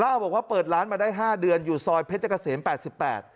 เล่าบอกว่าเปิดร้านมาได้ห้าเดือนอยู่ซอยเพชรเกษมแปดสิบแปด